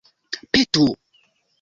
petu